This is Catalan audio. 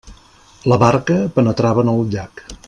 La barca penetrava en el llac.